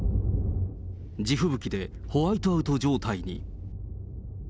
地吹雪でホワイトアウト状態に。